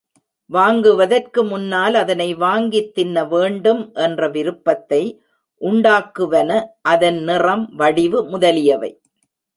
வாங்குவதற்கு முன்னால் அதனை வாங்கித் தின்ன வேண்டும் என்ற விருப்பத்தை உண்டாக்குவன அதன் நிறம் வடிவு முதலியவை.